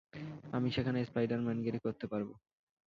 আমি সেখানে স্পাইডার-ম্যানগিরি করতে পারবো।